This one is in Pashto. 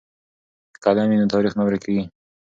که قلم وي نو تاریخ نه ورکېږي.